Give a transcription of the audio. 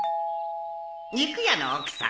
肉屋の奥さん。